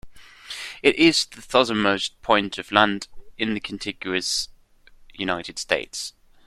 It is the southernmost point of land in the contiguous United States.